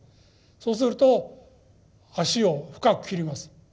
そうすると足を深く切ります。